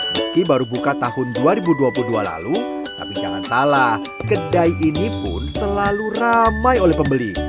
meski baru buka tahun dua ribu dua puluh dua lalu tapi jangan salah kedai ini pun selalu ramai oleh pembeli